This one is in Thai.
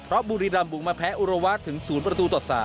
เพราะบุรีรำบุกมาแพ้อุระวาสถึง๐ประตูต่อ๓